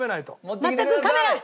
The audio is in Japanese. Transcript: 持ってきてください。